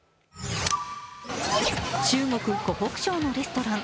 中国・湖北省のレストラン。